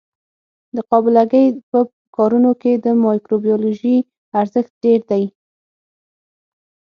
د قابله ګۍ په کارونو کې د مایکروبیولوژي ارزښت ډېر دی.